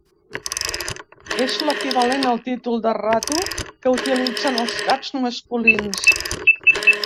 És l'equivalent al títol de "ratu" que utilitzen els caps masculins.